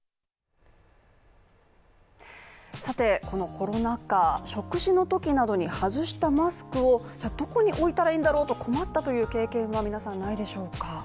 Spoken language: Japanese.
このコロナ禍、食事のときなどに外したマスクをどこに置いたらいいんだろうと困ったという経験、ないでしょうか。